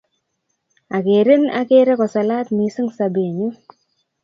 Akerin akere kosalat missing' sobennyu.